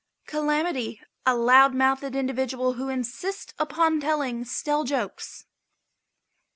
CALAMITY. A loud mouthed individual who insists upon telling stale jokes.